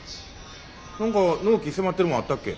何か納期迫ってるもんあったっけ？